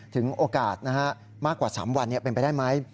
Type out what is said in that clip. ถึงโอกาสมากกว่า๓วันเป็นไปได้ไหม